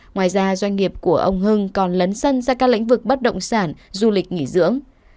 ngoài ra doanh nghiệp của ông hưng còn lấn sân ra các lĩnh vực bất động sản du lịch nghỉ dưỡng